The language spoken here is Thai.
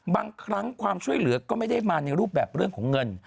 บางครั้งความช่วยเหลือก็ไม่ได้มาในรูปแบบเรื่องของเงิน